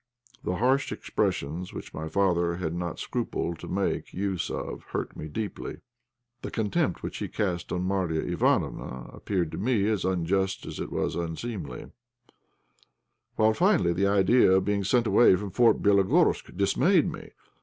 The harsh expressions which my father had not scrupled to make use of hurt me deeply; the contempt which he cast on Marya Ivánofna appeared to me as unjust as it was unseemly; while, finally, the idea of being sent away from Fort Bélogorsk dismayed me.